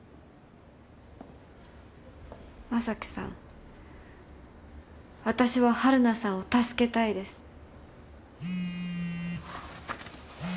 将貴さん私は晴汝さんを助けたいです。